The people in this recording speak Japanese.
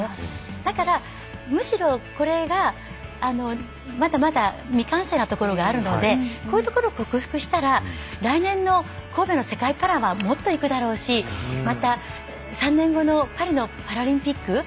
だから、むしろこれがまだまだ未完成なところがあるのでこういうところを克服したら来年の神戸の世界パラはもっと行くだろうし３年後のパリのパラリンピック